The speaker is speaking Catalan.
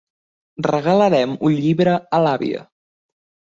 Regalarem un llibre a l'àvia.